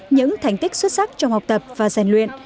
những thành tích xuất sắc trong học tập và giàn luyện